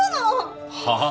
はあ？